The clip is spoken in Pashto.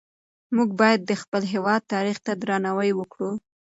موږ باید د خپل هېواد تاریخ ته درناوی وکړو.